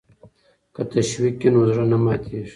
که تشویق وي نو زړه نه ماتیږي.